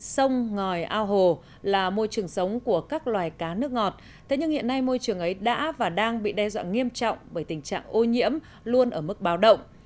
sông ngòi ao hồ là môi trường sống của các loài cá nước ngọt thế nhưng hiện nay môi trường ấy đã và đang bị đe dọa nghiêm trọng bởi tình trạng ô nhiễm luôn ở mức báo động